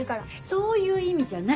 そういう意味じゃない。